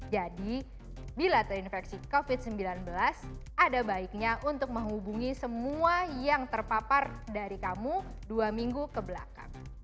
jadi bila terinfeksi covid sembilan belas ada baiknya untuk menghubungi semua yang terpapar dari kamu dua minggu kebelakang